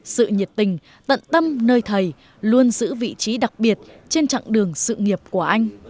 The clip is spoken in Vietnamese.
sự nhiệt tình tận tâm nơi thầy luôn giữ vị trí đặc biệt trên chặng đường sự nghiệp của anh